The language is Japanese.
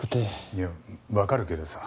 いやわかるけどさ